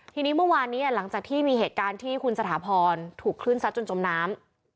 ทีนี้เมื่อวานนี้หลังจากที่มีเหตุการณ์ที่คุณสถาพรถูกคลื่นซัดจนจมน้ำ